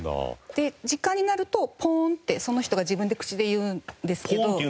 で時間になると「ポーン」ってその人が自分で口で言うんですけど。